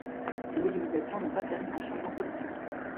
Ces mobilisations n’ont pas permis un changement politique.